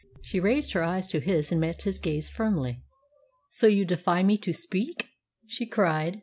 She raised her eyes to his, and met his gaze firmly. "So you defy me to speak?" she cried.